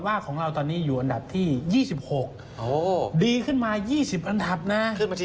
ว่าของเราตอนนี้อยู่อันดับที่๒๖ดีขึ้นมา๒๐อันดับนะ